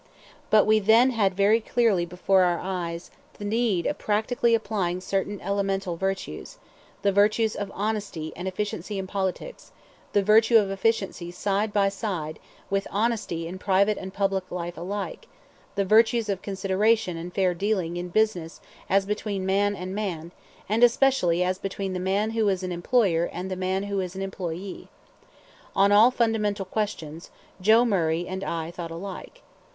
But we then had very clearly before our minds the need of practically applying certain elemental virtues, the virtues of honesty and efficiency in politics, the virtue of efficiency side by side with honesty in private and public life alike, the virtues of consideration and fair dealing in business as between man and man, and especially as between the man who is an employer and the man who is an employee. On all fundamental questions Joe Murray and I thought alike.